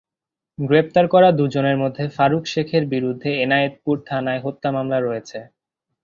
গ্রেপ্তার করা দুজনের মধ্যে ফারুক শেখের বিরুদ্ধে এনায়েতপুর থানায় হত্যা মামলা রয়েছে।